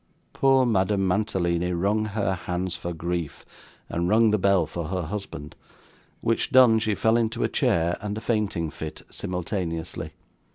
Poor Madame Mantalini wrung her hands for grief, and rung the bell for her husband; which done, she fell into a chair and a fainting fit, simultaneously.